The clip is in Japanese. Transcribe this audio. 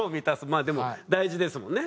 まあでも大事ですもんね。